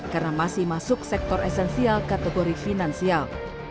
karena masih masuk sektor esensial kategori finansial